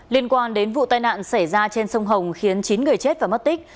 liên quan đến vụ tai nạn xảy ra trên sông hồng khiến chín người chết và mất tích